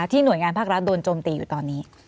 หน่วยงานภาครัฐโดนโจมตีอยู่ตอนนี้